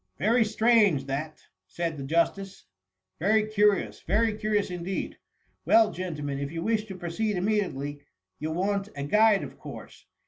" Very strange, that r said the Justice ;*^ Very curious, very curious indeed ! Well, gentlemen, if you wish to proceed immediately^ you 11 want a guide of course.